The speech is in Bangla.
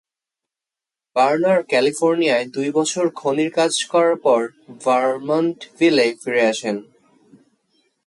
বার্নার ক্যালিফোর্নিয়ায় দুই বছর খনির কাজ করার পর ভার্মন্টভিলে ফিরে আসেন।